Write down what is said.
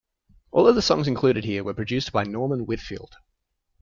All of the songs included here were produced by Norman Whitfield.